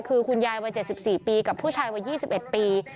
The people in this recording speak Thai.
คือคุณยายวัย๗๔ปีกับผู้ชายวัย๒๑ปี